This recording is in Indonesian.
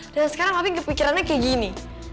dan sekarang pak api kepikirannya kayak gini